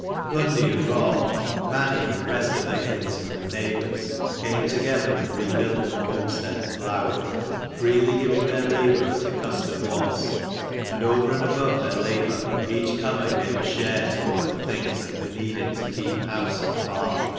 Hundi and Raud, Mani and the rest of their kinsmen and neighbours came together and rebuilt the homestead at Blawith, freely giving their labour as the custom was; and over and above their labour, each comer gave a share toward the things that were needed to keep house and farm.